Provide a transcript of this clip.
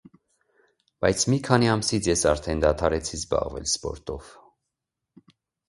Բայց մի քանի ամսից ես արդեն դադարեցի զբաղվել սպորտով։